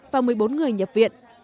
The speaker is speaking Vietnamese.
và một mươi bốn người nhập viện